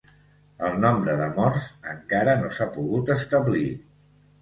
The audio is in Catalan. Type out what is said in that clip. El nombre de morts encara no s'ha pogut establir.